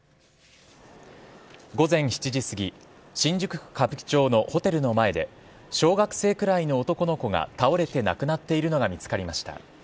午前７時過ぎ、新宿区歌舞伎町のホテルの前で、小学生くらいの男の子が倒れて亡くなっているのが見つかりました。